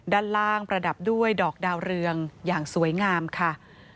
ด้านล่างประดับด้วยดอกดาวเรืองอย่างสวยงามค่ะ